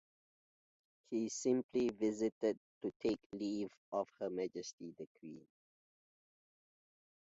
He simply visited to take leave of Her Majesty The Queen.